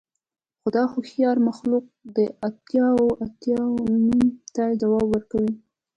خو دا هوښیار مخلوق د اتیا اوه اتیا نوم ته ځواب ورکوي